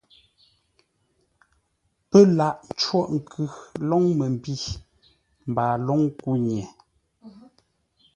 PƏ́ laghʼ ńcôghʼ nkʉ lóŋ məmbî mbaa lóŋ kúnye.